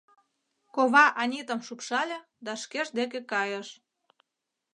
Кова Анитам шупшале да шкеж деке кайыш.